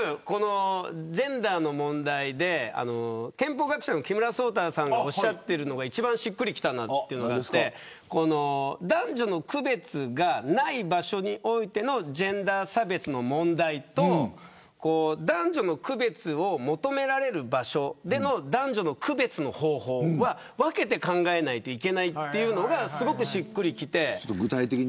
ジェンダーの問題で憲法学者の木村草太さんがおっしゃっているのが一番しっくりきて男女の区別がない場所においてのジェンダー差別の問題と男女の区別を求められる場所での男女の区別の方法は分けて考えないといけないというのがしっくりきて。